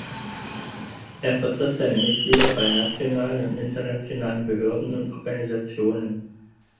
Er vertritt seine Mitglieder bei nationalen und internationalen Behörden und Organisationen.